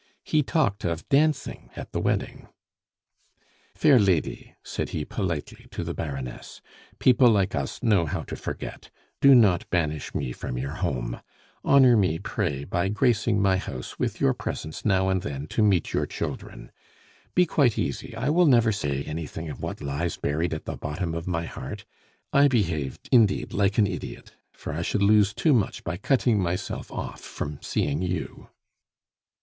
He talked of dancing at the wedding. "Fair lady," said he politely to the Baroness, "people like us know how to forget. Do not banish me from your home; honor me, pray, by gracing my house with your presence now and then to meet your children. Be quite easy; I will never say anything of what lies buried at the bottom of my heart. I behaved, indeed, like an idiot, for I should lose too much by cutting myself off from seeing you."